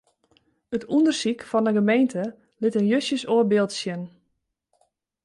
It ûndersyk fan 'e gemeente lit in justjes oar byld sjen.